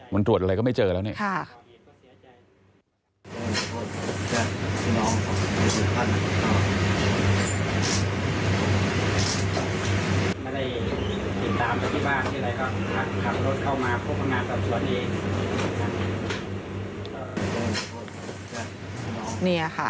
มันตรวจอะไรก็ไม่เจอแล้วเนี่ย